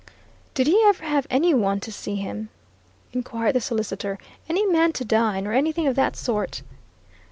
"Did he ever have any one to see him?" inquired the solicitor. "Any men to dine, or anything of that sort?"